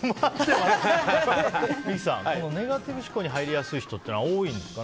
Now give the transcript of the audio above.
三木さん、ネガティブ思考に入りやすい人って多いんですか。